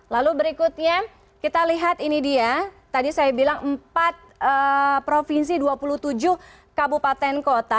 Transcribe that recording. lalu berikutnya kita lihat ini dia tadi saya bilang empat provinsi dua puluh tujuh kabupaten kota